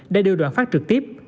đã đưa đoạn phát trực tiếp